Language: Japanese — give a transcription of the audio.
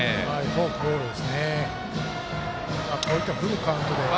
フォークボールですね。